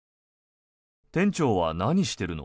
店長は何してるの？